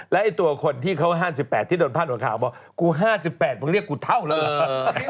และตัวคนที่เขา๕๘ที่โดนพาดหัวข่าวบอกกู๕๘มึงเรียกกูเท่าเลยเหรอ